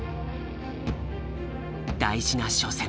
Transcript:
大事な初戦。